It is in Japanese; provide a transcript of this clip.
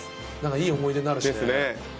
いい思い出になるしね。